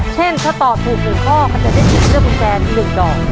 เช่นถ้าตอบถูก๑ข้อก็จะได้สิทธิ์เลือกกุญแจ๑ดอก